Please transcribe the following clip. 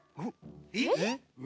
えっ？